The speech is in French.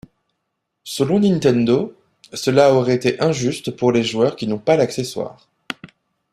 Selon Nintendo, cela aurait été injuste pour les joueurs qui n'ont pas l'accessoire.